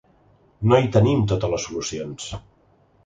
No hi tenim totes les solucions.